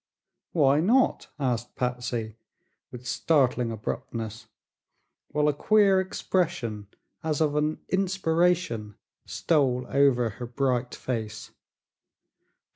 "Why not?" asked Patsy, with startling abruptness, while a queer expression as of an inspiration stole over her bright face.